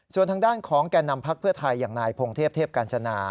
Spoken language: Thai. ส่วนทางด้านของแก่นำพักเพื่อไทยอย่างนายพงเทพเทพกาญจนา